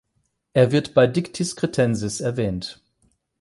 Er wird bei Dictys Cretensis erwähnt.